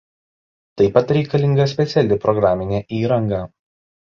Taip pat reikalinga speciali programinė įranga.